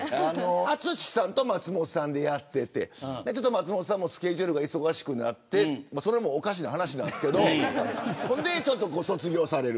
淳さんと松本さんでやっていて松本さんのスケジュールが忙しくなってそれもおかしな話ですけどご卒業される。